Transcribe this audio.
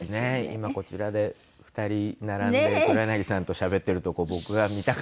今こちらで２人並んで黒柳さんとしゃべってるとこを僕が見たかったです。